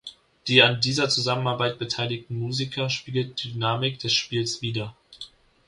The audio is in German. Die an dieser Zusammenarbeit beteiligten Musiker spiegelten die Dynamik des Spiels wider.